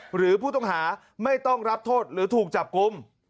หรือผู้ต้องหาไม่ต้องรับโทษหรือถูกจับกลุ่ม